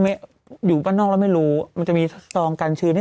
มันเขาเขียนไว้นั่นแหละ